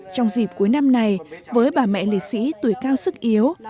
trong dịp cuối năm này với bà mẹ liệt sĩ tuổi cao sức yếu